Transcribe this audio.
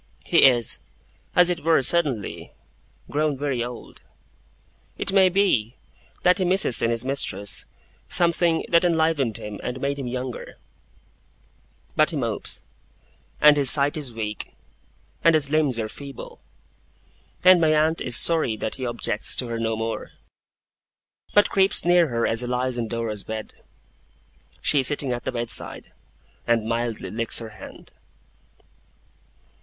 He is, as it were suddenly, grown very old. It may be that he misses in his mistress, something that enlivened him and made him younger; but he mopes, and his sight is weak, and his limbs are feeble, and my aunt is sorry that he objects to her no more, but creeps near her as he lies on Dora's bed she sitting at the bedside and mildly licks her hand.